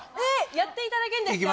やっていただけるんですか？